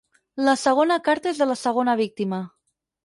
La segona carta és la de la segona víctima.